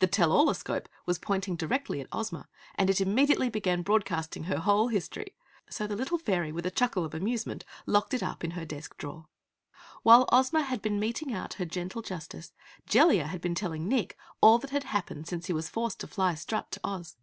The tell all escope was pointing directly at Ozma, and it immediately began broadcasting her whole history. So the little Fairy, with a chuckle of amusement locked it up in her desk drawer. While Ozma had been meting out her gentle justice, Jellia had been telling Nick all that had happened since he was forced to fly Strut to Oz.